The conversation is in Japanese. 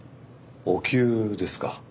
お灸ですか？